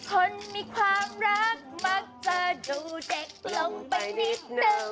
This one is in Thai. คนมีความรักมักจะดูเด็กลงไปนิดนึง